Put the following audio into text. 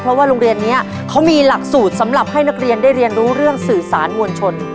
เพราะว่าโรงเรียนนี้เขามีหลักสูตรสำหรับให้นักเรียนได้เรียนรู้เรื่องสื่อสารมวลชน